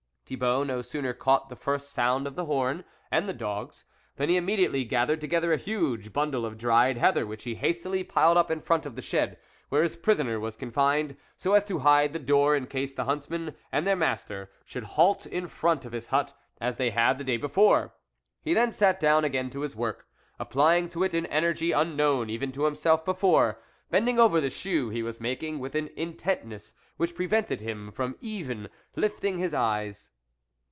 Thibault no sooner caught the first sound of the horn and the dogs, than he immediately gathered together a huge bundle of dried heather, which he hastily piled up in front of the shed, where his prisoner was confined, so as to hide the door, in case the huntsmen and their master should halt in front of his hut, as they had the day before. He then sat down again to his work, applying to it an energy unknown even to himself before, bending over the shoe he was making with an in tentness which prevented him from even lifting his eyes.